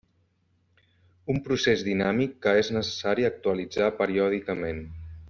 Un procés dinàmic que és necessari actualitzar periòdicament.